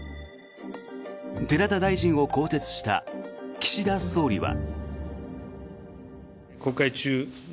寺田大臣を更迭した岸田総理は。